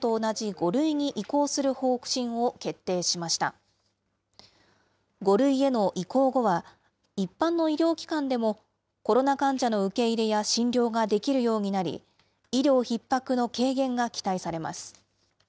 ５類への移行後は、一般の医療機関でもコロナ患者の受け入れや診療ができるようになり、医療ひっ迫の軽減が期待されます。